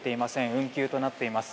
運休となっています。